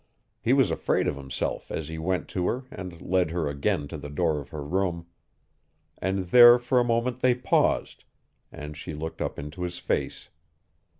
He was afraid of himself as he went to her and led her again to the door of her room. And there for a moment they paused, and she looked up into his face.